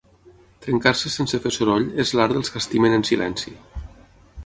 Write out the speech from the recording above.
Trencar-se sense fer soroll és l'art dels que estimen en silenci.